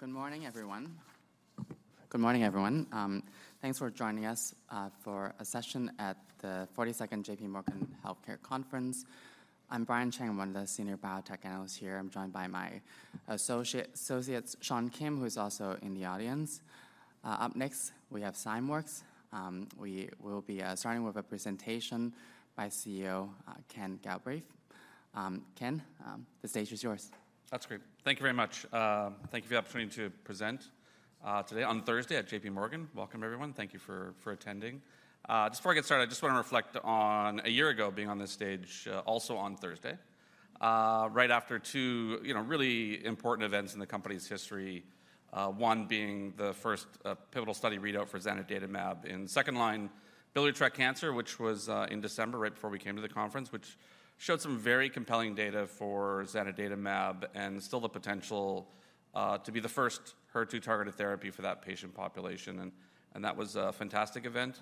Good morning, everyone. Good morning, everyone. Thanks for joining us for a session at the 42nd J.P. Morgan Healthcare Conference. I'm Brian Cheng, one of the Senior Biotech Analysts here. I'm joined by my associate Sean Kim, who is also in the audience. Up next, we have Zymeworks. We will be starting with a presentation by CEO Ken Galbraith. Ken, the stage is yours. That's great. Thank you very much. Thank you for the opportunity to present, today, on Thursday at J.P. Morgan. Welcome, everyone. Thank you for, for attending. Just before I get started, I just want to reflect on a year ago, being on this stage, also on Thursday. Right after two, you know, really important events in the company's history. One being the first, pivotal study readout for zanidatamab in second-line biliary tract cancer, which was, in December, right before we came to the conference, which showed some very compelling data for zanidatamab and still the potential, to be the first HER2-targeted therapy for that patient population, and, and that was a fantastic event.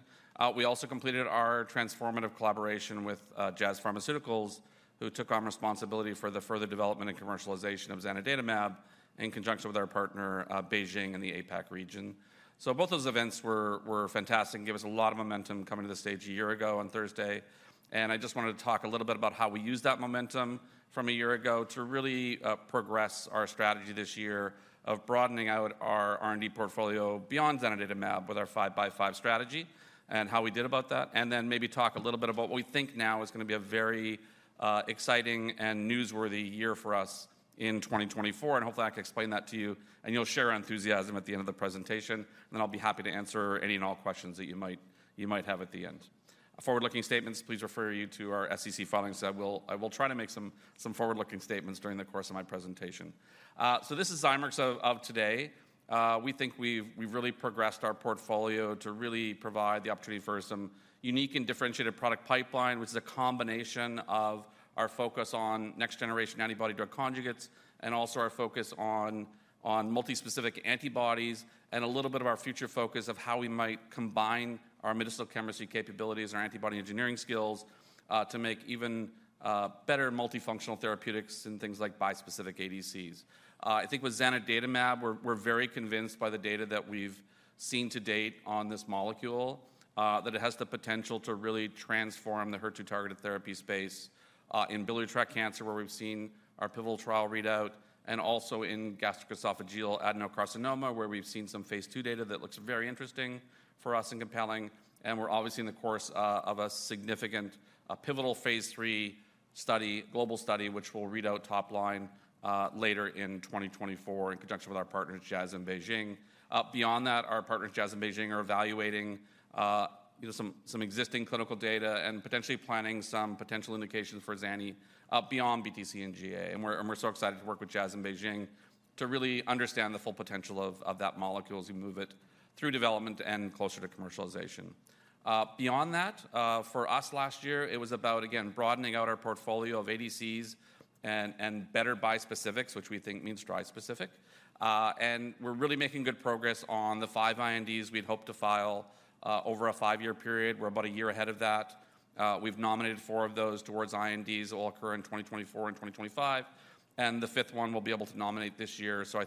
We also completed our transformative collaboration with Jazz Pharmaceuticals, who took on responsibility for the further development and commercialization of zanidatamab in conjunction with our partner, BeiGene, in the APAC region. So both those events were fantastic and gave us a lot of momentum coming to the stage a year ago on Thursday. I just wanted to talk a little bit about how we used that momentum from a year ago to really progress our strategy this year of broadening out our R&D portfolio beyond zanidatamab with our five-by-five strategy and how we did about that. Then maybe talk a little bit about what we think now is going to be a very exciting and newsworthy year for us in 2024, and hopefully I can explain that to you, and you'll share our enthusiasm at the end of the presentation. Then I'll be happy to answer any and all questions that you might have at the end. For forward-looking statements, please refer you to our SEC filings. I will try to make some forward-looking statements during the course of my presentation. So this is Zymeworks of today. We think we've really progressed our portfolio to really provide the opportunity for some unique and differentiated product pipeline, which is a combination of our focus on next-generation antibody-drug conjugates and also our focus on multispecific antibodies and a little bit of our future focus of how we might combine our medicinal chemistry capabilities and our antibody engineering skills to make even better multifunctional therapeutics and things like bispecific ADCs. I think with zanidatamab, we're very convinced by the data that we've seen to date on this molecule, that it has the potential to really transform the HER2-targeted therapy space in biliary tract cancer, where we've seen our pivotal trial readout, and also in gastroesophageal adenocarcinoma, where we've seen some phase II data that looks very interesting for us and compelling. We're obviously in the course of a significant pivotal phase III study, global study, which we'll read out top line later in 2024 in conjunction with our partners, Jazz and BeiGene. Beyond that, our partners, Jazz and BeiGene, are evaluating you know, some existing clinical data and potentially planning some potential indications for zani beyond BTC and GA. And we're so excited to work with Jazz and BeiGene to really understand the full potential of that molecule as we move it through development and closer to commercialization. Beyond that, for us last year, it was about, again, broadening out our portfolio of ADCs and better bispecifics, which we think means trispecific. And we're really making good progress on the five INDs we'd hoped to file over a five-year period. We're about a year ahead of that. We've nominated four of those towards INDs. It will occur in 2024 and 2025, and the fifth one we'll be able to nominate this year. So I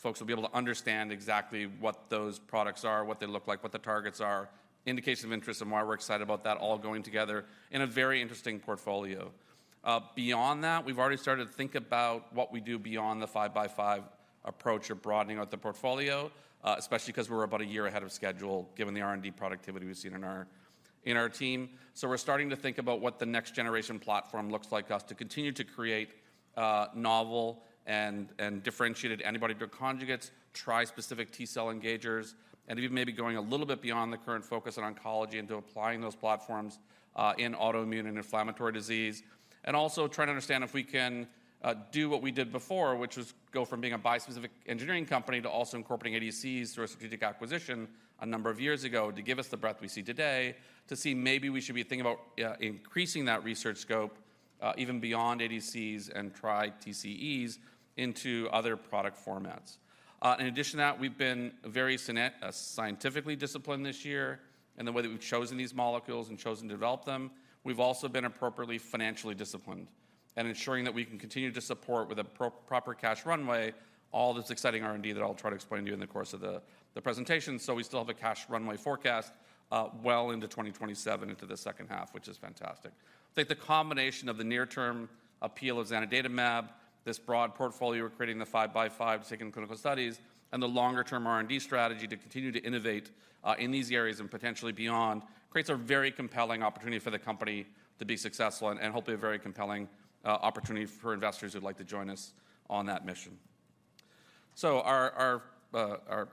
think folks will be able to understand exactly what those products are, what they look like, what the targets are, indications of interest and why we're excited about that all going together in a very interesting portfolio. Beyond that, we've already started to think about what we do beyond the five-by-five approach of broadening out the portfolio, especially because we're about a year ahead of schedule, given the R&D productivity we've seen in our team. So we're starting to think about what the next-generation platform looks like to us to continue to create novel and differentiated antibody-drug conjugates, trispecific T-cell engagers, and even maybe going a little bit beyond the current focus on oncology into applying those platforms in autoimmune and inflammatory disease. And also trying to understand if we can do what we did before, which was go from being a bispecific engineering company to also incorporating ADCs through a strategic acquisition a number of years ago, to give us the breadth we see today, to see maybe we should be thinking about, yeah, increasing that research scope, even beyond ADCs and tri-TCEs into other product formats. In addition to that, we've been very scientifically disciplined this year in the way that we've chosen these molecules and chosen to develop them. We've also been appropriately financially disciplined and ensuring that we can continue to support with a proper cash runway, all this exciting R&D that I'll try to explain to you in the course of the presentation. So we still have a cash runway forecast well into 2027, into the second half, which is fantastic. I think the combination of the near-term appeal of zanidatamab, this broad portfolio we're creating, the five-by-five second clinical studies, and the longer-term R&D strategy to continue to innovate in these areas and potentially beyond, creates a very compelling opportunity for the company to be successful and, and hopefully a very compelling opportunity for investors who'd like to join us on that mission. So our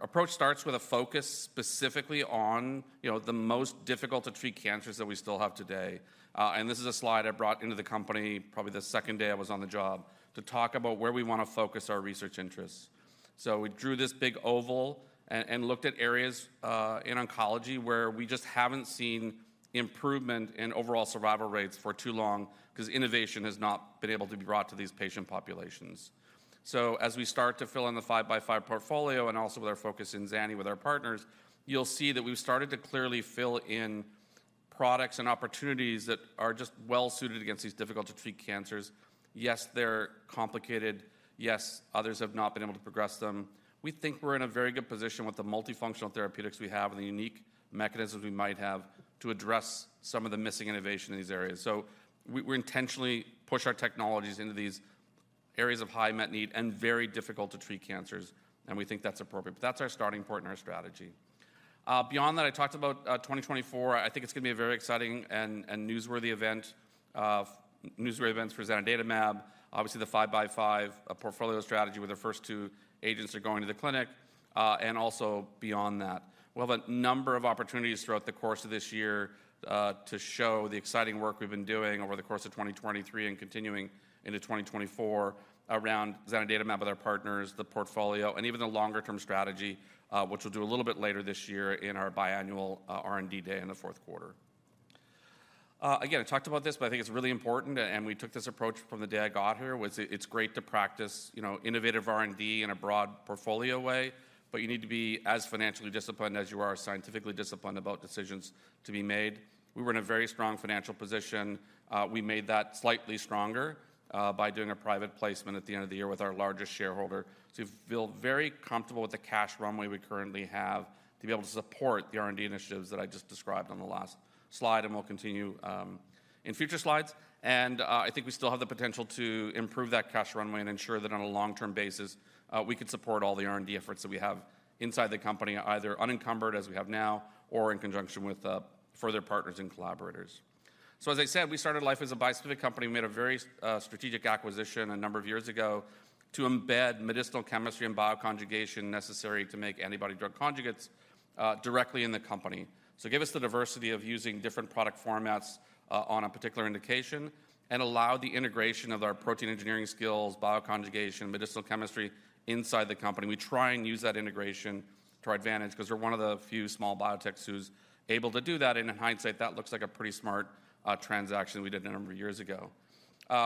approach starts with a focus specifically on, you know, the most difficult-to-treat cancers that we still have today. And this is a slide I brought into the company probably the second day I was on the job, to talk about where we want to focus our research interests. So we drew this big oval and looked at areas in oncology where we just haven't seen improvement in overall survival rates for too long because innovation has not been able to be brought to these patient populations. So as we start to fill in the five-by-five portfolio and also with our focus in zanidatamab with our partners, you'll see that we've started to clearly fill in products and opportunities that are just well suited against these difficult to treat cancers. Yes, they're complicated. Yes, others have not been able to progress them. We think we're in a very good position with the multifunctional therapeutics we have and the unique mechanisms we might have to address some of the missing innovation in these areas. So we, we intentionally push our technologies into these areas of high unmet need and very difficult to treat cancers, and we think that's appropriate. But that's our starting point in our strategy. Beyond that, I talked about 2024. I think it's going to be a very exciting and newsworthy events for zanidatamab. Obviously, the five-by-five portfolio strategy, where the first two agents are going to the clinic, and also beyond that. We'll have a number of opportunities throughout the course of this year to show the exciting work we've been doing over the course of 2023 and continuing into 2024 around zanidatamab with our partners, the portfolio, and even the longer-term strategy, which we'll do a little bit later this year in our biannual R&D day in the fourth quarter. Again, I talked about this, but I think it's really important, and we took this approach from the day I got here, was it's great to practice, you know, innovative R&D in a broad portfolio way, but you need to be as financially disciplined as you are scientifically disciplined about decisions to be made. We were in a very strong financial position. We made that slightly stronger by doing a private placement at the end of the year with our largest shareholder to feel very comfortable with the cash runway we currently have, to be able to support the R&D initiatives that I just described on the last slide, and we'll continue in future slides. I think we still have the potential to improve that cash runway and ensure that on a long-term basis, we could support all the R&D efforts that we have inside the company, either unencumbered, as we have now, or in conjunction with further partners and collaborators. So as I said, we started life as a bispecific company. We made a very strategic acquisition a number of years ago to embed medicinal chemistry and bioconjugation necessary to make antibody-drug conjugates directly in the company. So give us the diversity of using different product formats on a particular indication and allow the integration of our protein engineering skills, bioconjugation, medicinal chemistry inside the company. We try and use that integration to our advantage 'cause we're one of the few small biotechs who's able to do that, and in hindsight, that looks like a pretty smart transaction we did a number of years ago.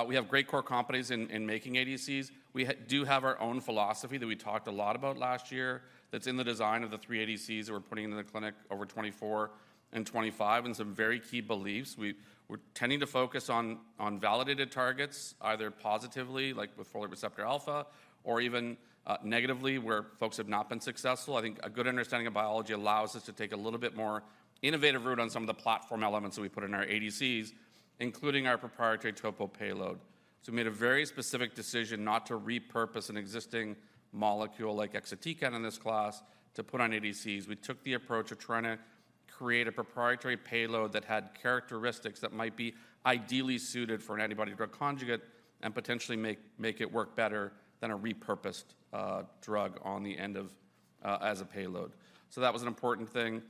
We have great core companies in making ADCs. We do have our own philosophy that we talked a lot about last year that's in the design of the three ADCs that we're putting into the clinic over 2024 and 2025 and some very key beliefs. We're tending to focus on validated targets, either positively, like with Folate Receptor Alpha, or even negatively, where folks have not been successful. I think a good understanding of biology allows us to take a little bit more innovative route on some of the platform elements that we put in our ADCs, including our proprietary topo payload. So we made a very specific decision not to repurpose an existing molecule like exatecan in this class to put on ADCs. We took the approach of trying to create a proprietary payload that had characteristics that might be ideally suited for an antibody drug conjugate and potentially make, make it work better than a repurposed drug on the end of as a payload. So that was an important thing.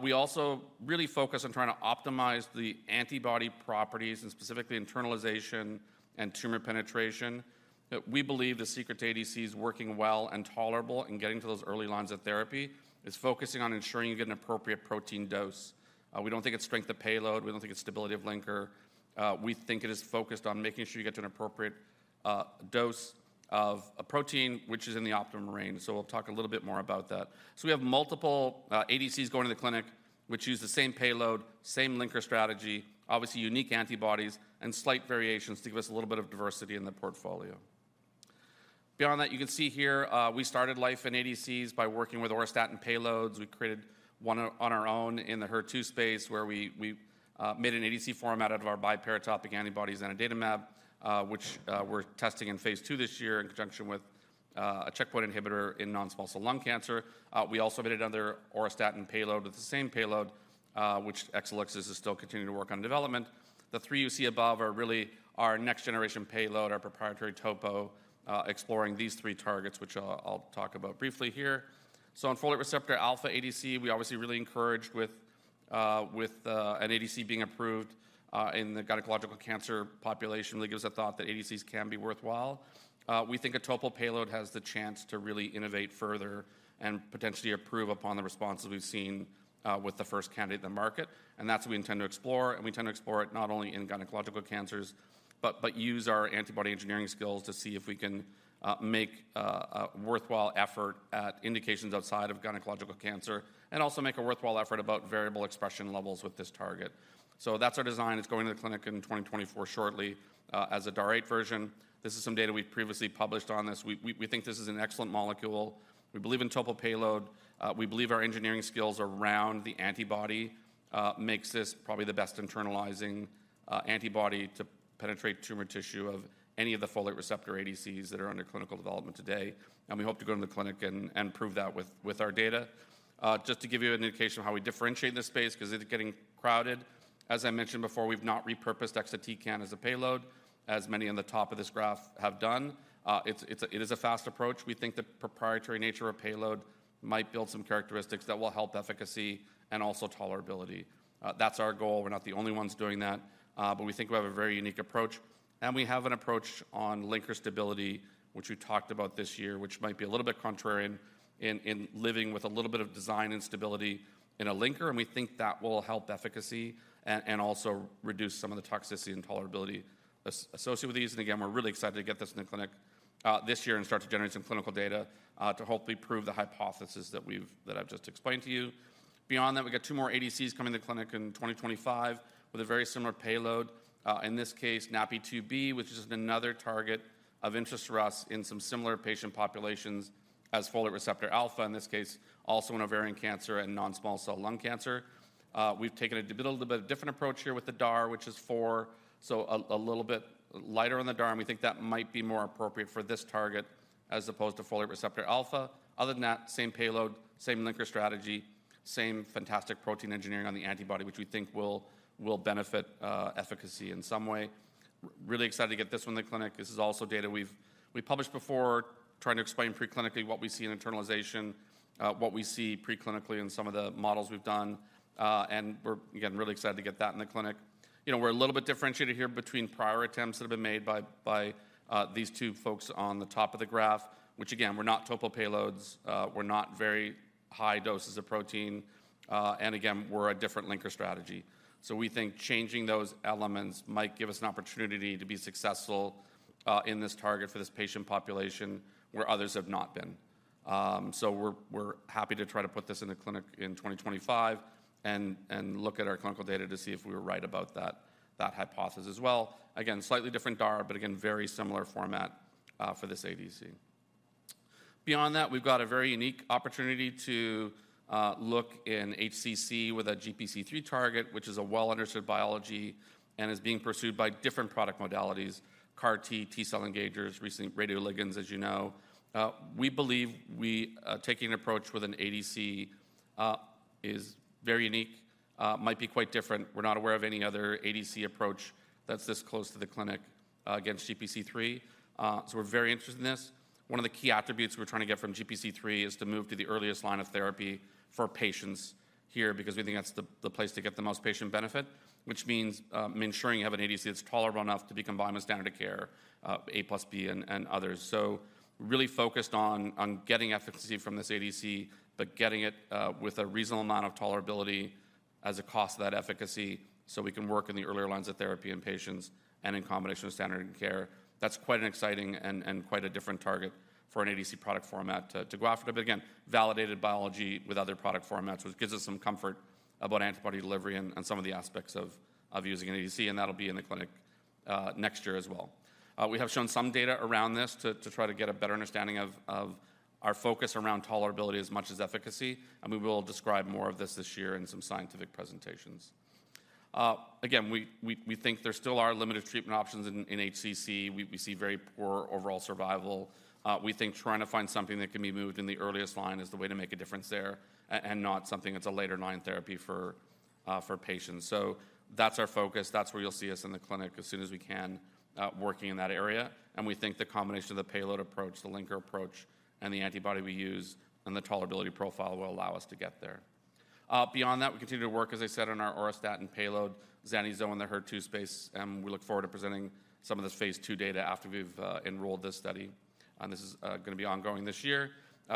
We also really focus on trying to optimize the antibody properties and specifically internalization and tumor penetration. That we believe the secret to ADCs working well and tolerable in getting to those early lines of therapy is focusing on ensuring you get an appropriate protein dose. We don't think it's strength of payload, we don't think it's stability of linker. We think it is focused on making sure you get to an appropriate dose of a protein which is in the optimum range. So we'll talk a little bit more about that. So we have multiple ADCs going to the clinic, which use the same payload, same linker strategy, obviously unique antibodies and slight variations to give us a little bit of diversity in the portfolio. Beyond that, you can see here, we started life in ADCs by working with auristatin payloads. We created one on our own in the HER2 space, where we made an ADC format out of our biparatopic antibodies and zanidatamab, which we're testing in phase II this year in conjunction with a checkpoint inhibitor in non-small cell lung cancer. We also made another auristatin payload with the same payload, which Exelixis is still continuing to work on development. The three you see above are really our next generation payload, our proprietary topo, exploring these three targets, which I'll talk about briefly here. So on Folate Receptor Alpha ADC, we're obviously really encouraged with an ADC being approved in the gynecological cancer population. Really gives us a thought that ADCs can be worthwhile. We think a topo payload has the chance to really innovate further and potentially improve upon the responses we've seen with the first candidate in the market, and that's what we intend to explore. We intend to explore it not only in gynecological cancers, but use our antibody engineering skills to see if we can make a worthwhile effort at indications outside of gynecological cancer and also make a worthwhile effort about variable expression levels with this target. So that's our design. It's going to the clinic in 2024 shortly, as a DAR-8 version. This is some data we've previously published on this. We think this is an excellent molecule. We believe in topo payload. We believe our engineering skills around the antibody makes this probably the best internalizing antibody to penetrate tumor tissue of any of the folate receptor ADCs that are under clinical development today, and we hope to go to the clinic and prove that with our data. Just to give you an indication of how we differentiate this space, because it is getting crowded. As I mentioned before, we've not repurposed exatecan as a payload, as many in the top of this graph have done. It is a fast approach. We think the proprietary nature of payload might build some characteristics that will help efficacy and also tolerability. That's our goal. We're not the only ones doing that, but we think we have a very unique approach. And we have an approach on linker stability, which we talked about this year, which might be a little bit contrarian in living with a little bit of design instability in a linker, and we think that will help efficacy and also reduce some of the toxicity and tolerability associated with these. Again, we're really excited to get this in the clinic this year and start to generate some clinical data to hopefully prove the hypothesis that we've-- that I've just explained to you. Beyond that, we've got two more ADCs coming to the clinic in 2025 with a very similar payload. In this case, NaPi2b, which is another target of interest for us in some similar patient populations as Folate Receptor Alpha, in this case, also in ovarian cancer and non-small cell lung cancer. We've taken a bit, a little bit different approach here with the DAR, which is four, so a little bit lighter on the DAR, and we think that might be more appropriate for this target as opposed to Folate Receptor Alpha. Other than that, same payload, same linker strategy, same fantastic protein engineering on the antibody, which we think will benefit efficacy in some way. Really excited to get this one in the clinic. This is also data we've published before, trying to explain pre-clinically what we see in internalization, what we see pre-clinically in some of the models we've done. And we're, again, really excited to get that in the clinic. You know, we're a little bit differentiated here between prior attempts that have been made by these two folks on the top of the graph, which, again, were not topo payloads, were not very high doses of protein, and again, were a different linker strategy. So we think changing those elements might give us an opportunity to be successful in this target for this patient population where others have not been. So we're happy to try to put this in the clinic in 2025 and look at our clinical data to see if we were right about that hypothesis as well. Again, slightly different DAR, but again, very similar format for this ADC. Beyond that, we've got a very unique opportunity to look in HCC with a GPC3 target, which is a well-understood biology and is being pursued by different product modalities, CAR T, T-cell engagers, recent radioligands, as you know. We believe taking an approach with an ADC is very unique, might be quite different. We're not aware of any other ADC approach that's this close to the clinic, against GPC3. So we're very interested in this. One of the key attributes we're trying to get from GPC3 is to move to the earliest line of therapy for patients here because we think that's the place to get the most patient benefit, which means ensuring you have an ADC that's tolerable enough to be combined with standard of care, A + B and others. So really focused on getting efficacy from this ADC, but getting it with a reasonable amount of tolerability as a cost to that efficacy, so we can work in the earlier lines of therapy in patients and in combination with standard of care. That's quite an exciting and quite a different target for an ADC product format to go after. But again, validated biology with other product formats, which gives us some comfort about antibody delivery and some of the aspects of using an ADC, and that'll be in the clinic next year as well. We have shown some data around this to try to get a better understanding of our focus around tolerability as much as efficacy, and we will describe more of this this year in some scientific presentations. Again, we think there still are limited treatment options in HCC. We see very poor overall survival. We think trying to find something that can be moved in the earliest line is the way to make a difference there, and not something that's a later-line therapy for patients. So that's our focus. That's where you'll see us in the clinic as soon as we can, working in that area. And we think the combination of the payload approach, the linker approach, and the antibody we use, and the tolerability profile will allow us to get there. Beyond that, we continue to work, as I said, on our auristatin payload, zanidatamab in the HER2 space, and we look forward to presenting some of this phase II data after we've enrolled this study. And this is gonna be ongoing this year.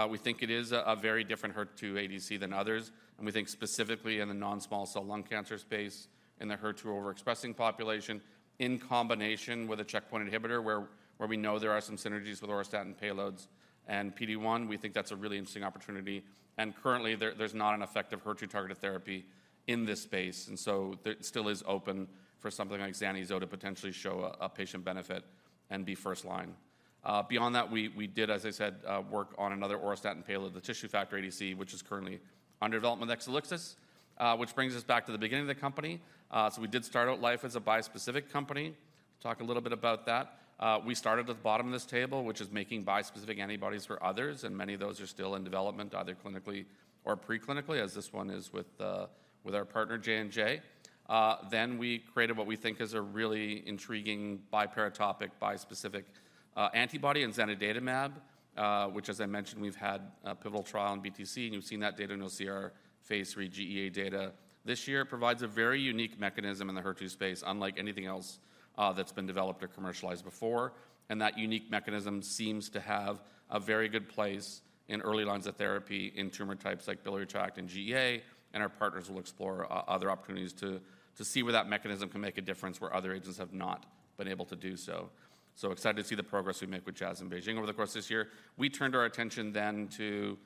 We think it is a very different HER2 ADC than others, and we think specifically in the non-small cell lung cancer space, in the HER2 overexpressing population, in combination with a checkpoint inhibitor, where we know there are some synergies with auristatin payloads and PD-1. We think that's a really interesting opportunity, and currently, there's not an effective HER2-targeted therapy in this space, and so it still is open for something like zanidatamab to potentially show a patient benefit and be first line. Beyond that, we did, as I said, work on another auristatin payload, the tissue factor ADC, which is currently under development with Exelixis, which brings us back to the beginning of the company. So we did start out life as a bispecific company. Talk a little bit about that. We started at the bottom of this table, which is making bispecific antibodies for others, and many of those are still in development, either clinically or pre-clinically, as this one is with our partner, J&J. Then we created what we think is a really intriguing biparatopic, bispecific antibody in zanidatamab, which, as I mentioned, we've had a pivotal trial on BTC, and you've seen that data, and you'll see our phase III GEA data. This year provides a very unique mechanism in the HER2 space, unlike anything else that's been developed or commercialized before. And that unique mechanism seems to have a very good place in early lines of therapy in tumor types like biliary tract and GEA, and our partners will explore other opportunities to see where that mechanism can make a difference, where other agents have not been able to do so. So excited to see the progress we make with Jazz and BeiGene over the course of this year. We turned our attention then to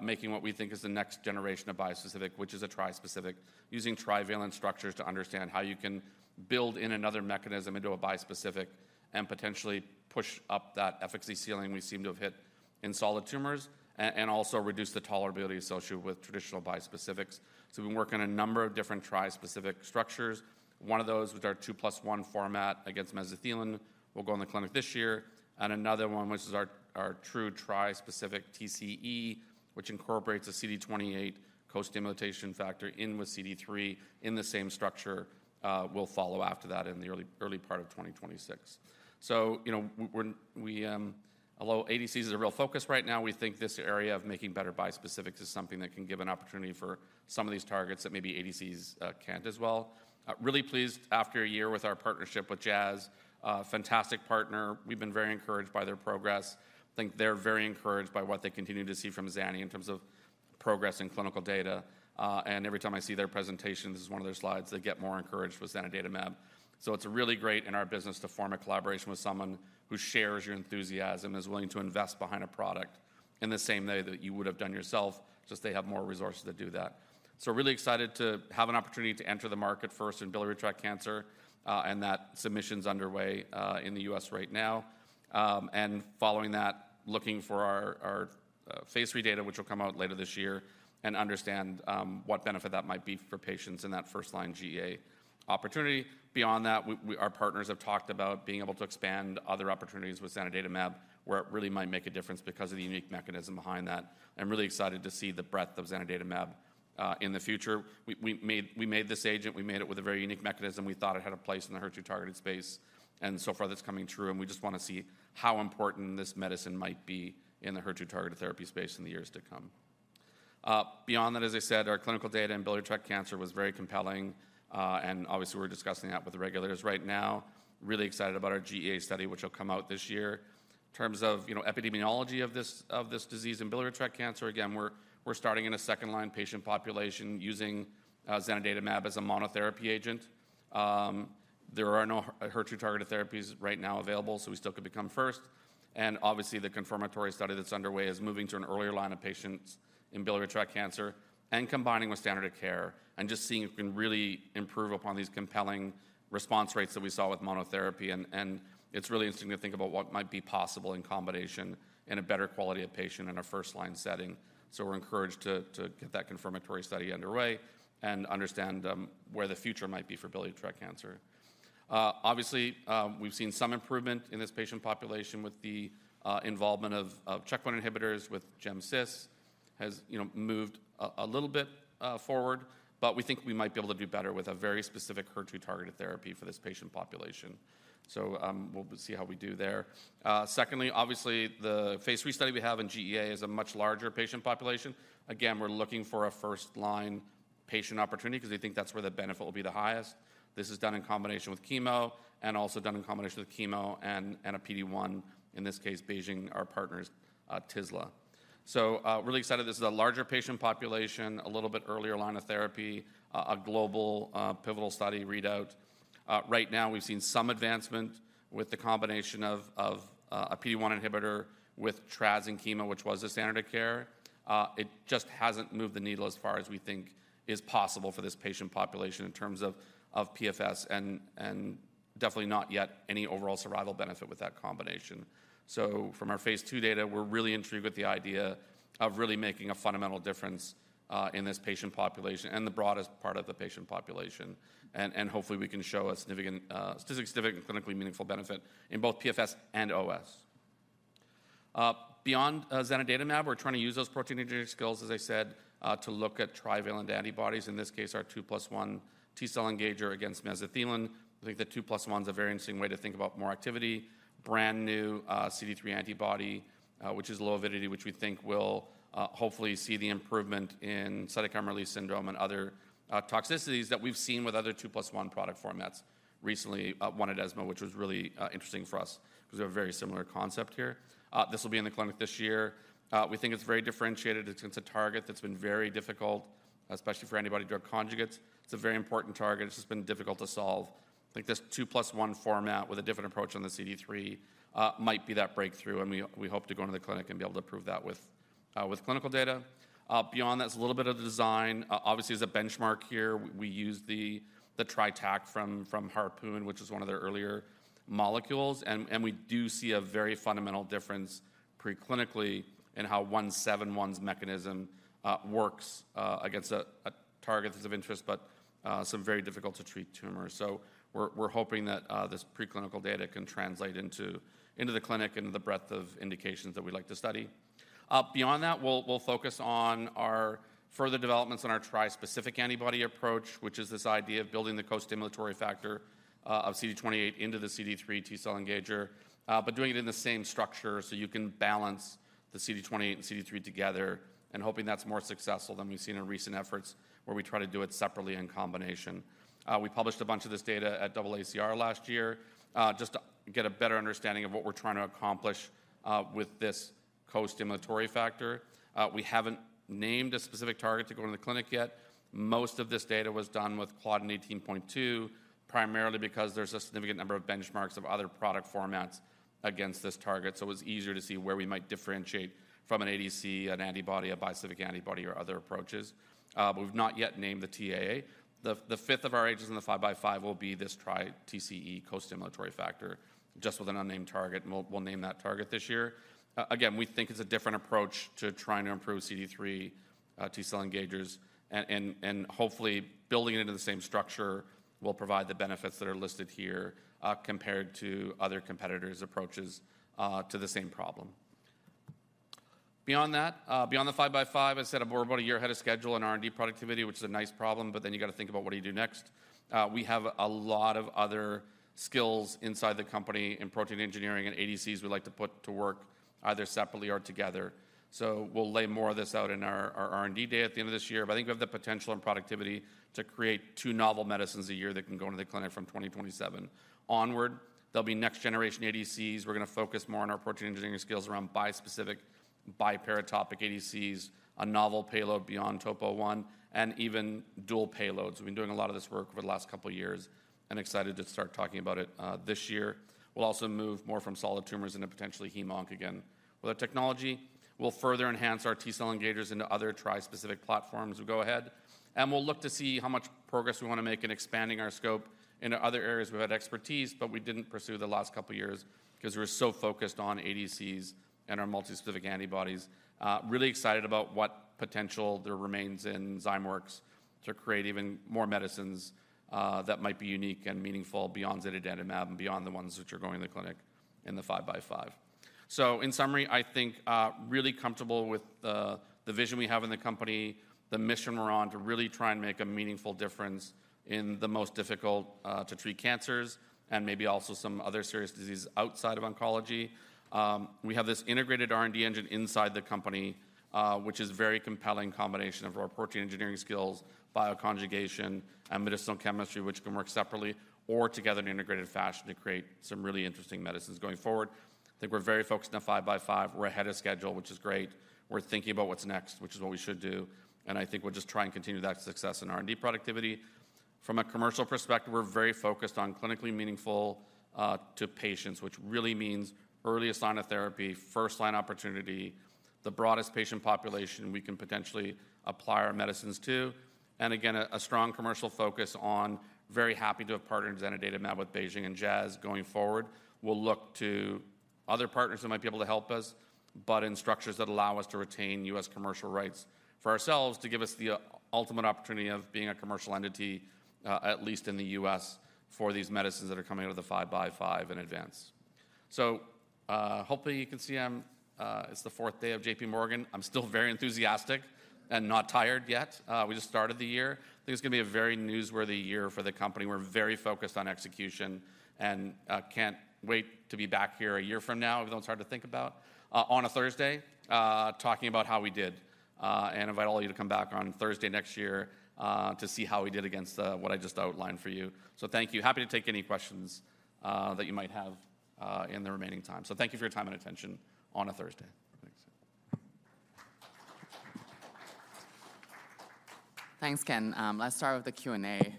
making what we think is the next generation of bispecific, which is a trispecific, using trivalent structures to understand how you can build in another mechanism into a bispecific and potentially push up that efficacy ceiling we seem to have hit in solid tumors and also reduce the tolerability associated with traditional bispecifics. So we've been working on a number of different trispecific structures. One of those, which are 2 + 1 format against mesothelin, will go in the clinic this year. And another one, which is our, our true trispecific TCE, which incorporates a CD28 co-stimulation factor in with CD3 in the same structure, will follow after that in the early part of 2026. So, you know, we're, although ADC is a real focus right now, we think this area of making better bispecifics is something that can give an opportunity for some of these targets that maybe ADCs can't as well. Really pleased after a year with our partnership with Jazz, a fantastic partner. We've been very encouraged by their progress. I think they're very encouraged by what they continue to see from zani in terms of progress in clinical data, and every time I see their presentations, this is one of their slides, they get more encouraged with zanidatamab. So it's really great in our business to form a collaboration with someone who shares your enthusiasm, is willing to invest behind a product in the same way that you would have done yourself, just they have more resources to do that. So we're really excited to have an opportunity to enter the market first in biliary tract cancer, and that submission's underway, in the U.S. right now. Following that, looking for our phase III data, which will come out later this year, and understand what benefit that might be for patients in that first-line GEA opportunity. Beyond that, our partners have talked about being able to expand other opportunities with zanidatamab, where it really might make a difference because of the unique mechanism behind that. I'm really excited to see the breadth of zanidatamab in the future. We made this agent; we made it with a very unique mechanism. We thought it had a place in the HER2-targeted space, and so far that's coming true, and we just want to see how important this medicine might be in the HER2-targeted therapy space in the years to come. Beyond that, as I said, our clinical data in biliary tract cancer was very compelling, and obviously, we're discussing that with the regulators right now. Really excited about our GEA study, which will come out this year. In terms of, you know, epidemiology of this, of this disease, in biliary tract cancer, again, we're starting in a second-line patient population using zanidatamab as a monotherapy agent. There are no HER2-targeted therapies right now available, so we still could become first. Obviously, the confirmatory study that's underway is moving to an earlier line of patients in biliary tract cancer and combining with standard of care and just seeing if we can really improve upon these compelling response rates that we saw with monotherapy. It's really interesting to think about what might be possible in combination and a better quality of patient in a first-line setting. So we're encouraged to get that confirmatory study underway and understand where the future might be for biliary tract cancer. Obviously, we've seen some improvement in this patient population with the involvement of checkpoint inhibitors with gemcitabine has, you know, moved a little bit forward, but we think we might be able to do better with a very specific HER2-targeted therapy for this patient population. So we'll see how we do there. Secondly, obviously, the phase III study we have in GEA is a much larger patient population. Again, we're looking for a first-line patient opportunity because we think that's where the benefit will be the highest. This is done in combination with chemo and also done in combination with chemo and a PD-1, in this case, BeiGene, our partners', tislelizumab. So, really excited. This is a larger patient population, a little bit earlier line of therapy, a global, pivotal study readout. Right now, we've seen some advancement with the combination of a PD-1 inhibitor with trastuzumab and chemo, which was the standard of care. It just hasn't moved the needle as far as we think is possible for this patient population in terms of PFS and definitely not yet any overall survival benefit with that combination. So from our phase II data, we're really intrigued with the idea of really making a fundamental difference, in this patient population and the broadest part of the patient population. And hopefully, we can show a significant, statistically significant and clinically meaningful benefit in both PFS and OS. Beyond, zanidatamab, we're trying to use those protein engineering skills, as I said, to look at trivalent antibodies, in this case, our two plus one T-cell engager against mesothelin. I think the two plus one is a very interesting way to think about more activity. Brand new, CD3 antibody, which is low avidity, which we think will, hopefully see the improvement in cytokine release syndrome and other, toxicities that we've seen with other two plus one product formats. Recently, one at ESMO, which was really interesting for us because we have a very similar concept here. This will be in the clinic this year. We think it's very differentiated. It's, it's a target that's been very difficult, especially for antibody-drug conjugates. It's a very important target. It's just been difficult to solve. I think this two plus one format with a different approach on the CD3 might be that breakthrough, and we, we hope to go into the clinic and be able to prove that with clinical data. Beyond that, it's a little bit of the design. Obviously, as a benchmark here, we use the TriTAC from Harpoon, which is one of their earlier molecules, and we do see a very fundamental difference preclinically in how ZW171's mechanism works against targets of interest, but some very difficult to treat tumors. So we're hoping that this preclinical data can translate into the clinic and the breadth of indications that we'd like to study. Beyond that, we'll focus on our further developments on our trispecific antibody approach, which is this idea of building the costimulatory factor of CD28 into the CD3 T-cell engager, but doing it in the same structure so you can balance the CD28 and CD3 together and hoping that's more successful than we've seen in recent efforts, where we try to do it separately in combination. We published a bunch of this data at AACR last year, just to get a better understanding of what we're trying to accomplish with this costimulatory factor. We haven't named a specific target to go to the clinic yet. Most of this data was done with claudin 18.2, primarily because there's a significant number of benchmarks of other product formats against this target. So it was easier to see where we might differentiate from an ADC, an antibody, a bispecific antibody, or other approaches. But we've not yet named the TAA. The fifth of our agents in the five-by-five will be this tri TCE costimulatory factor, just with an unnamed target, and we'll name that target this year. Again, we think it's a different approach to trying to improve CD3 T cell engagers, and hopefully, building it into the same structure will provide the benefits that are listed here, compared to other competitors' approaches, to the same problem. Beyond that, beyond the five-by-five, I said that we're about a year ahead of schedule in R&D productivity, which is a nice problem, but then you've got to think about what do you do next. We have a lot of other skills inside the company in protein engineering and ADCs we'd like to put to work, either separately or together. So we'll lay more of this out in our R&D day at the end of this year. But I think we have the potential and productivity to create two novel medicines a year that can go into the clinic from 2027 onward. There'll be next-generation ADCs. We're gonna focus more on our protein engineering skills around bispecific-... biparotopic ADCs, a novel payload beyond Topo I, and even dual payloads. We've been doing a lot of this work over the last couple of years, and excited to start talking about it, this year. We'll also move more from solid tumors into potentially hemonc again. With our technology, we'll further enhance our T-cell engagers into other tri-specific platforms as we go ahead, and we'll look to see how much progress we wanna make in expanding our scope into other areas we've had expertise, but we didn't pursue the last couple of years 'cause we were so focused on ADCs and our multispecific antibodies. Really excited about what potential there remains in Zymeworks to create even more medicines, that might be unique and meaningful beyond zanidatamab and beyond the ones which are going in the clinic in the five-by-five. So in summary, I think, really comfortable with the vision we have in the company, the mission we're on to really try and make a meaningful difference in the most difficult, to treat cancers and maybe also some other serious diseases outside of oncology. We have this integrated R&D engine inside the company, which is a very compelling combination of our protein engineering skills, bioconjugation, and medicinal chemistry, which can work separately or together in an integrated fashion to create some really interesting medicines going forward. I think we're very focused on a five-by-five. We're ahead of schedule, which is great. We're thinking about what's next, which is what we should do, and I think we'll just try and continue that success in R&D productivity. From a commercial perspective, we're very focused on clinically meaningful, to patients, which really means earliest line of therapy, first-line opportunity, the broadest patient population we can potentially apply our medicines to, and again, a strong commercial focus on very happy to have partnered in zanidatamab with BeiGene and Jazz going forward. We'll look to other partners who might be able to help us, but in structures that allow us to retain U.S. commercial rights for ourselves to give us the ultimate opportunity of being a commercial entity, at least in the U.S., for these medicines that are coming out of the five-by-five in advance. So, hopefully, you can see I'm... It's the fourth day of J.P. Morgan. I'm still very enthusiastic and not tired yet. We just started the year. I think it's gonna be a very newsworthy year for the company. We're very focused on execution and can't wait to be back here a year from now, even though it's hard to think about on a Thursday talking about how we did and invite all of you to come back on Thursday next year to see how we did against what I just outlined for you. So thank you. Happy to take any questions that you might have in the remaining time. So thank you for your time and attention on a Thursday. Thanks. Thanks, Ken. Let's start with the Q&A.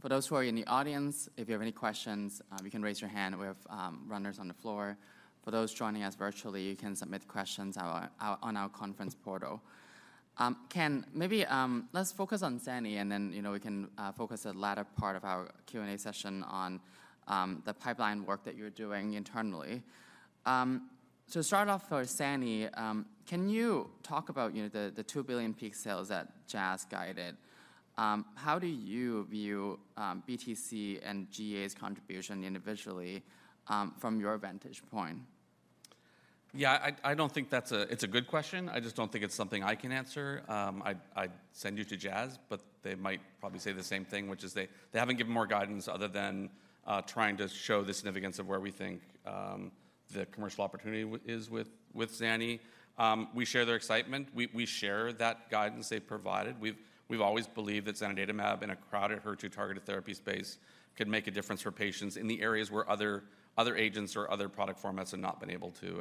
For those who are in the audience, if you have any questions, you can raise your hand. We have runners on the floor. For those joining us virtually, you can submit questions on our conference portal. Ken, maybe let's focus on zani, and then, you know, we can focus the latter part of our Q&A session on the pipeline work that you're doing internally. So to start off for zani, can you talk about, you know, the $2 billion peak sales that Jazz guided? How do you view BTC and GEA's contribution individually from your vantage point? Yeah, I don't think that's a good question. I just don't think it's something I can answer. I'd send you to Jazz, but they might probably say the same thing, which is they haven't given more guidance other than trying to show the significance of where we think the commercial opportunity is with zani. We share their excitement. We share that guidance they've provided. We've always believed that zanidatamab in a crowded HER2-targeted therapy space could make a difference for patients in the areas where other agents or other product formats have not been able to.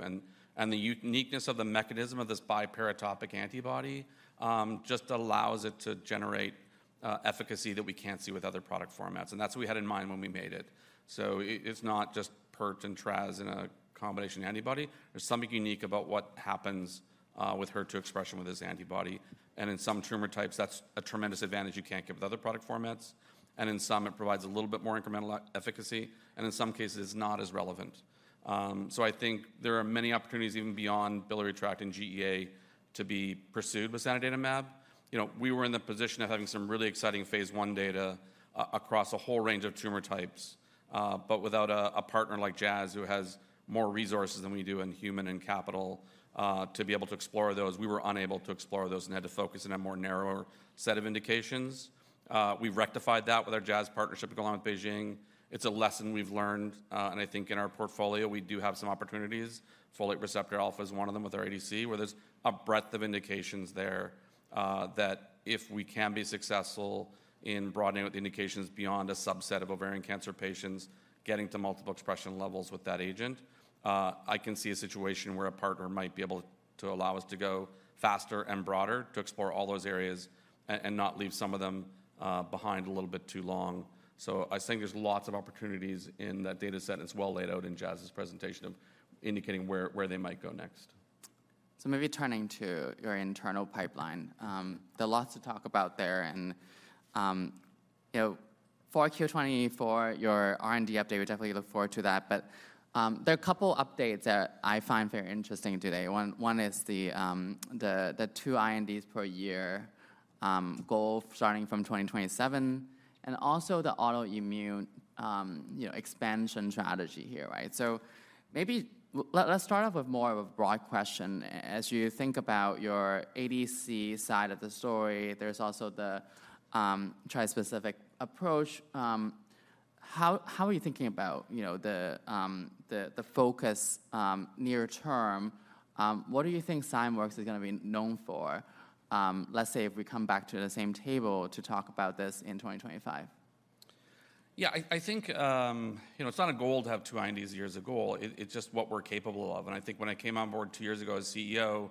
And the uniqueness of the mechanism of this biparatopic antibody just allows it to generate efficacy that we can't see with other product formats, and that's what we had in mind when we made it. So it's not just Pert and Tras in a combination antibody. There's something unique about what happens with HER2 expression with this antibody, and in some tumor types, that's a tremendous advantage you can't get with other product formats, and in some, it provides a little bit more incremental efficacy, and in some cases, it's not as relevant. So I think there are many opportunities even beyond biliary tract and GEA to be pursued with zanidatamab. You know, we were in the position of having some really exciting phase I data across a whole range of tumor types, but without a partner like Jazz, who has more resources than we do in human and capital, to be able to explore those, we were unable to explore those and had to focus on a more narrower set of indications. We've rectified that with our Jazz partnership along with BeiGene. It's a lesson we've learned, and I think in our portfolio, we do have some opportunities. Folate Receptor Alpha is one of them with our ADC, where there's a breadth of indications there, that if we can be successful in broadening out the indications beyond a subset of ovarian cancer patients, getting to multiple expression levels with that agent, I can see a situation where a partner might be able to allow us to go faster and broader to explore all those areas and not leave some of them behind a little bit too long. So I think there's lots of opportunities in that data set, and it's well laid out in Jazz's presentation of indicating where, where they might go next. So maybe turning to your internal pipeline, there are lots to talk about there, and you know, 4Q 2024, your R&D update, we definitely look forward to that. But there are a couple updates that I find very interesting today. One is the 2 INDs per year goal starting from 2027, and also the autoimmune you know expansion strategy here, right? So maybe let's start off with more of a broad question. As you think about your ADC side of the story, there's also the trispecific approach. How are you thinking about you know the focus near term? What do you think Zymeworks is gonna be known for, let's say, if we come back to the same table to talk about this in 2025? Yeah, I think, you know, it's not a goal to have two INDs a year as a goal. It's just what we're capable of. And I think when I came on board two years ago as CEO,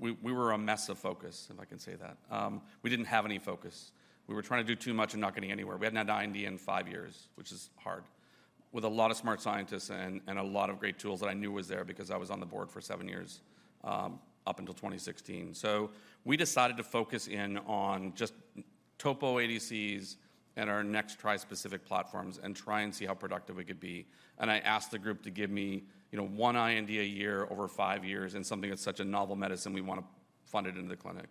we were a mess of focus, if I can say that. We didn't have any focus. We were trying to do too much and not getting anywhere. We hadn't had an IND in five years, which is hard, with a lot of smart scientists and a lot of great tools that I knew was there because I was on the board for seven years, up until 2016. So we decided to focus in on just topo ADCs and our next tri-specific platforms and try and see how productive we could be. I asked the group to give me, you know, one IND a year over five years, and something that's such a novel medicine, we wanna fund it into the clinic.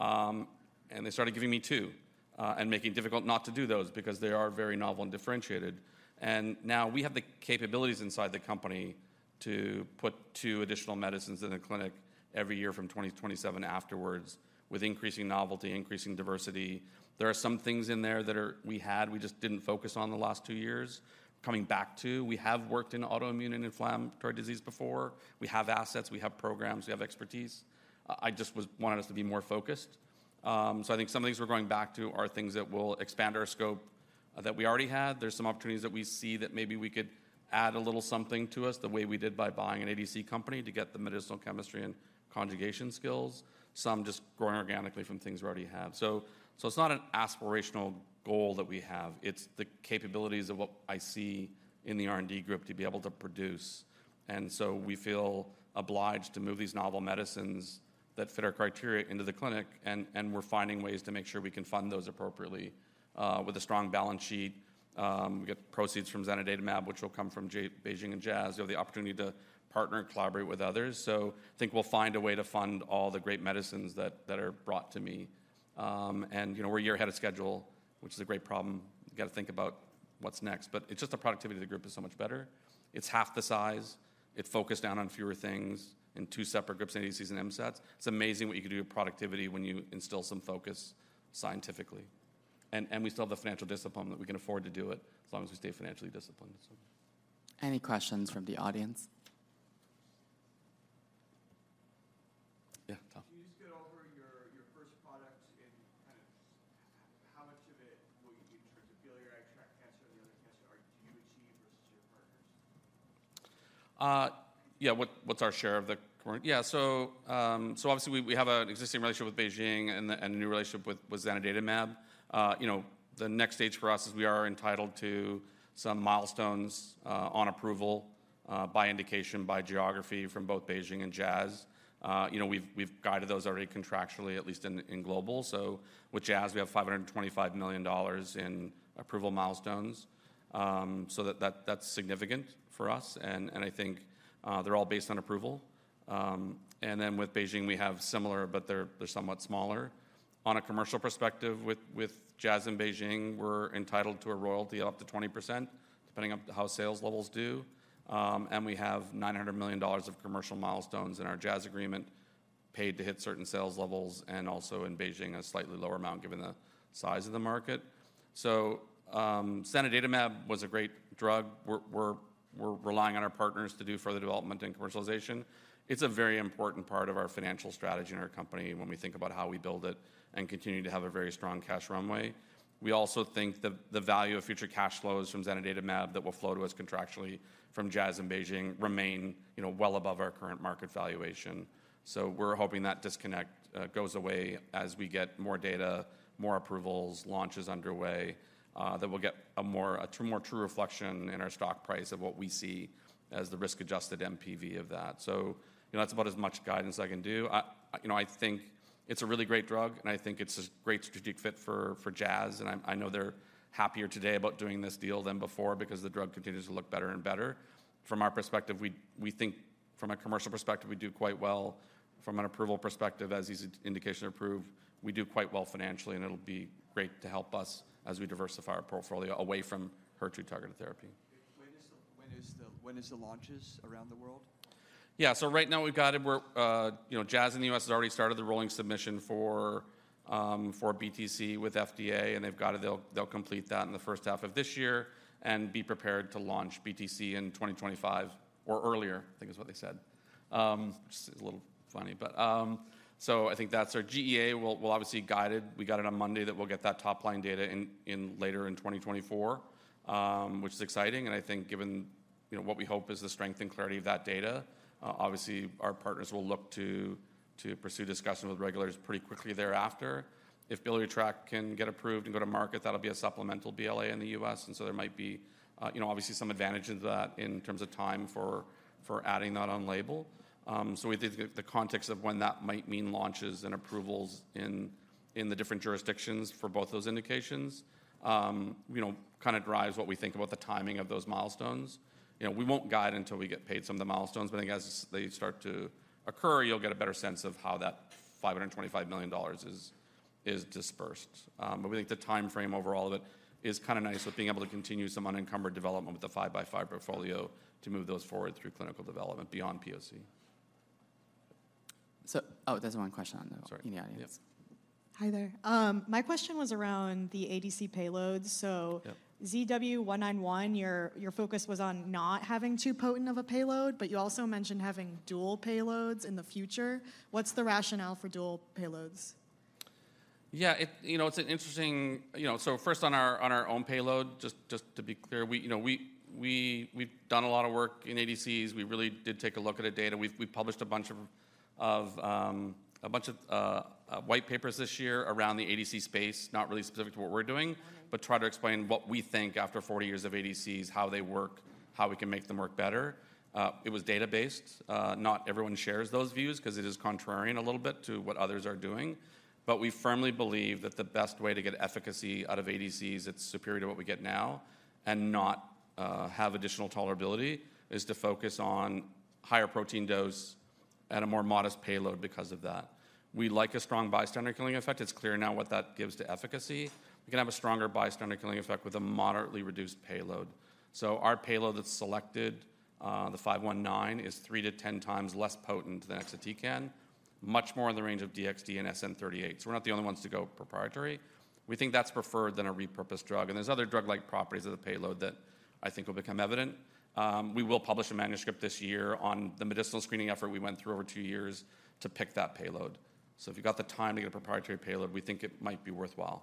And they started giving me two, and making it difficult not to do those because they are very novel and differentiated. Now we have the capabilities inside the company to put two additional medicines in the clinic every year from 2027 afterwards, with increasing novelty, increasing diversity. There are some things in there that are—we had, we just didn't focus on the last two years, coming back to. We have worked in autoimmune and inflammatory disease before. We have assets, we have programs, we have expertise. I just wanted us to be more focused. So I think some of these we're going back to are things that will expand our scope that we already had. There's some opportunities that we see that maybe we could add a little something to us, the way we did by buying an ADC company to get the medicinal chemistry and conjugation skills, some just growing organically from things we already have. So it's not an aspirational goal that we have. It's the capabilities of what I see in the R&D group to be able to produce. And so we feel obliged to move these novel medicines that fit our criteria into the clinic, and we're finding ways to make sure we can fund those appropriately, with a strong balance sheet. We get proceeds from zanidatamab, which will come from BeiGene and Jazz. We have the opportunity to partner and collaborate with others. So I think we'll find a way to fund all the great medicines that are brought to me. You know, we're a year ahead of schedule, which is a great problem. We've got to think about what's next. But it's just the productivity of the group is so much better. It's half the size. It focused down on fewer things in two separate groups, ADCs and MSATs. It's amazing what you can do with productivity when you instill some focus scientifically. And we still have the financial discipline that we can afford to do it, as long as we stay financially disciplined, so. Any questions from the audience? Yeah, Tom. Can you just go over your first product and kind of how much of it will you do in terms of biliary tract cancer and the other cancer, do you achieve versus your partners? Yeah, so, so obviously, we have an existing relationship with BeiGene and a new relationship with zanidatamab. You know, the next stage for us is we are entitled to some milestones on approval by indication, by geography, from both BeiGene and Jazz. You know, we've guided those already contractually, at least in global. So with Jazz, we have $525 million in approval milestones. So that, that's significant for us, and I think they're all based on approval. And then with BeiGene, we have similar, but they're somewhat smaller. On a commercial perspective, with Jazz and BeiGene, we're entitled to a royalty up to 20%, depending on how sales levels do. And we have $900 million of commercial milestones in our Jazz agreement, paid to hit certain sales levels, and also in BeiGene, a slightly lower amount, given the size of the market. So, zanidatamab was a great drug. We're relying on our partners to do further development and commercialization. It's a very important part of our financial strategy in our company when we think about how we build it and continue to have a very strong cash runway. We also think the value of future cash flows from zanidatamab that will flow to us contractually from Jazz and BeiGene remain, you know, well above our current market valuation. So we're hoping that disconnect goes away as we get more data, more approvals, launches underway, that will get a more true reflection in our stock price of what we see as the risk-adjusted MPV of that. So, you know, that's about as much guidance I can do. I, you know, I think it's a really great drug, and I think it's a great strategic fit for, for Jazz, and I, I know they're happier today about doing this deal than before because the drug continues to look better and better. From our perspective, we, we think from a commercial perspective, we do quite well. From an approval perspective, as these indications are approved, we do quite well financially, and it'll be great to help us as we diversify our portfolio away from HER2-targeted therapy. When are the launches around the world? Yeah. So right now we've got it. We're, You know, Jazz in the U.S. has already started the rolling submission for BTC with FDA, and they've got it. They'll complete that in the first half of this year and be prepared to launch BTC in 2025 or earlier, I think is what they said. Just a little funny, but, so I think that's our GEA, we'll obviously guide it. We got it on Monday, that we'll get that top-line data in later in 2024, which is exciting, and I think given, you know, what we hope is the strength and clarity of that data, obviously, our partners will look to pursue discussions with regulators pretty quickly thereafter. If biliary tract can get approved and go to market, that'll be a supplemental BLA in the U.S., and so there might be, you know, obviously some advantage to that in terms of time for adding that on label. So we think the context of when that might mean launches and approvals in the different jurisdictions for both those indications, you know, kind of drives what we think about the timing of those milestones. You know, we won't guide until we get paid some of the milestones, but I think as they start to occur, you'll get a better sense of how that $525 million is dispersed. But we think the timeframe overall of it is kind of nice with being able to continue some unencumbered development with the five-by-five portfolio to move those forward through clinical development beyond POC. Oh, there's one question on the- Sorry. In the audience. Yeah. Hi, there. My question was around the ADC payloads. Yeah. So ZW191, your focus was on not having too potent of a payload, but you also mentioned having dual payloads in the future. What's the rationale for dual payloads? Yeah, it's an interesting—you know, so first on our own payload, just to be clear, we—you know, we've done a lot of work in ADCs. We really did take a look at the data. We've published a bunch of white papers this year around the ADC space, not really specific to what we're doing, but try to explain what we think after 40 years of ADCs, how they work, how we can make them work better. It was data-based. Not everyone shares those views 'cause it is contrarian a little bit to what others are doing. But we firmly believe that the best way to get efficacy out of ADCs that's superior to what we get now and not have additional tolerability is to focus on higher protein dose at a more modest payload because of that. We like a strong bystander killing effect. It's clear now what that gives to efficacy. We can have a stronger bystander killing effect with a moderately reduced payload. So our payload that's selected, the 519, is 3x-10x less potent than exatecan, much more in the range of DXd and SN-38. So we're not the only ones to go proprietary. We think that's preferred than a repurposed drug, and there's other drug-like properties of the payload that I think will become evident. We will publish a manuscript this year on the medicinal screening effort we went through over two years to pick that payload. So if you've got the time to get a proprietary payload, we think it might be worthwhile.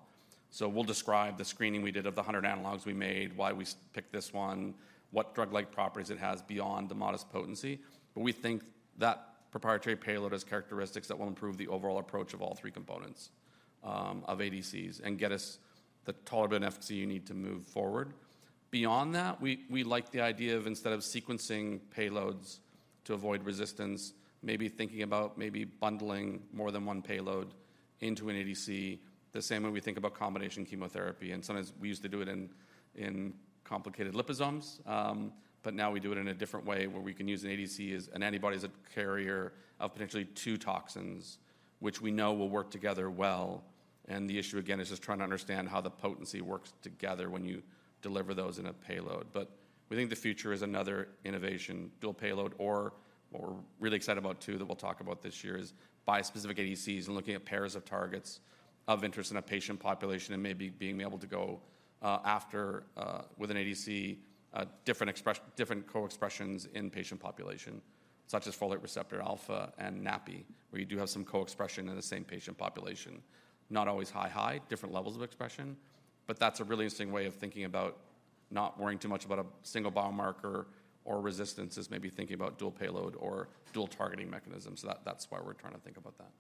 So we'll describe the screening we did of the 100 analogs we made, why we picked this one, what drug-like properties it has beyond the modest potency. But we think that proprietary payload has characteristics that will improve the overall approach of all three components of ADCs and get us the tolerability and efficacy you need to move forward. Beyond that, we like the idea of instead of sequencing payloads to avoid resistance, maybe thinking about maybe bundling more than one payload into an ADC, the same way we think about combination chemotherapy, and sometimes we used to do it in complicated liposomes. But now we do it in a different way, where we can use an ADC as an antibody as a carrier of potentially two toxins, which we know will work together well. And the issue, again, is just trying to understand how the potency works together when you deliver those in a payload. But we think the future is another innovation, dual payload or what we're really excited about, too, that we'll talk about this year is bispecific ADCs and looking at pairs of targets of interest in a patient population and maybe being able to go after with an ADC different co-expressions in patient population, such as Folate Receptor Alpha and NaPi2b, where you do have some co-expression in the same patient population. Not always high, different levels of expression, but that's a really interesting way of thinking about not worrying too much about a single biomarker or resistance, is maybe thinking about dual payload or dual targeting mechanisms. So that's why we're trying to think about that.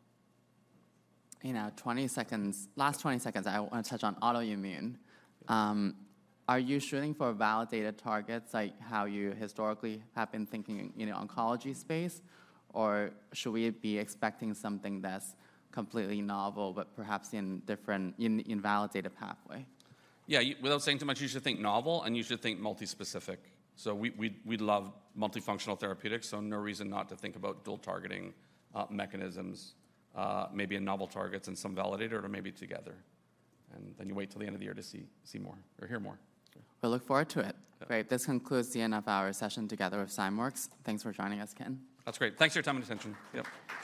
In our 20 seconds, last 20 seconds, I want to touch on autoimmune. Are you shooting for validated targets, like how you historically have been thinking in, in oncology space? Or should we be expecting something that's completely novel, but perhaps in different, in, in validated pathway? Yeah, without saying too much, you should think novel, and you should think multispecific. So we love multifunctional therapeutics, so no reason not to think about dual targeting mechanisms, maybe in novel targets and some validated or maybe together. And then you wait till the end of the year to see more or hear more. We look forward to it. Yeah. Great. This concludes the end of our session together with SciWorks. Thanks for joining us, Ken. That's great. Thanks for your time and attention. Yep.